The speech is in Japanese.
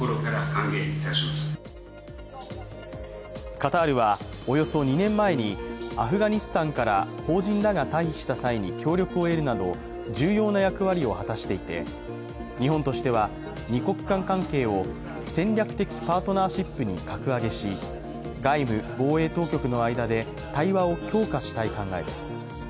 カタールはおよそ２年前に、アフガニスタンから邦人らが退避した際に協力を得るなど重要な役割を果たしていて日本としては二国間関係を戦略的パートナーシップに格上げし、外務・防衛当局の間で対話を強化したい考えです。